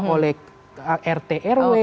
oleh rt rw